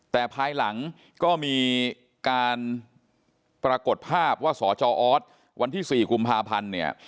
แต่ภายหลังก็มีการปรากฏภาพว่าสจออสวันที่๔กุมภาพันธ์เนี่ย